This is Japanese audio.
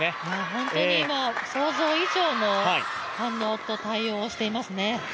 ホントに想像以上の反応と対応をしていますね。